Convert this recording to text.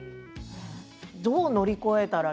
どう乗り越えたら。